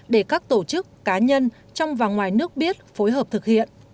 để các tổ chức cá nhân trong và ngoài nước biết phối hợp thực hiện